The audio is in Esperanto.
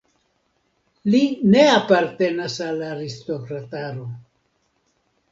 Li ne apartenas al la aristokrataro.